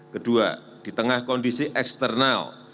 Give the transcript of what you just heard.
kedua di tengah kondisi eksternal